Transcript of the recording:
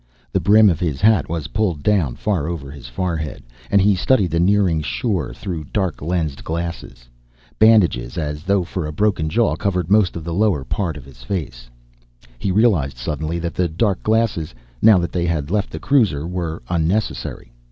The brim of his hat was pulled down far over his forehead, and he studied the nearing shore through dark lensed glasses. Bandages, as though for a broken jaw, covered most of the lower part of his face. He realized suddenly that the dark glasses, now that they had left the cruiser, were unnecessary.